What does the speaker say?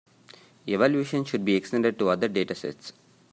Evaluation should be extended to other datasets.